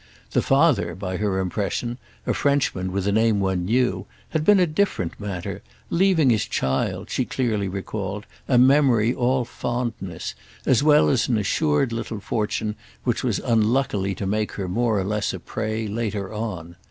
The father, by her impression, a Frenchman with a name one knew, had been a different matter, leaving his child, she clearly recalled, a memory all fondness, as well as an assured little fortune which was unluckily to make her more or less of a prey later on.